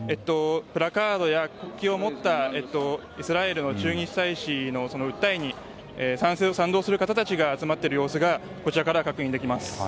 プラカードや国旗を持ったイスラエルの駐日大使の訴えに賛成や賛同をする方たちが集まっている様子がこちらから確認できます。